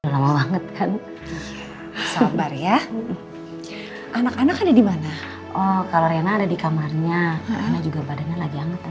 lama banget kan sabar ya anak anak ada di mana oh kalau riana ada di kamarnya